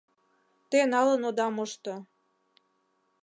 Те налын ода мошто.